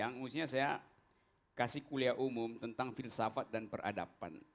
yang mestinya saya kasih kuliah umum tentang filsafat dan peradaban